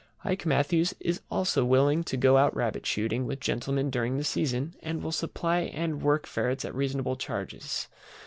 IKE MATTHEWS is also willing to go out rabbit shooting with gentlemen during the season, and will supply and work ferrets at reasonable charges.